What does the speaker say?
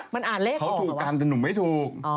เขาถูกกันแต่หนูไม่ถูก